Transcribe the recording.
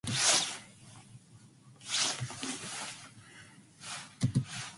He recoiled at the touch and his colour changed.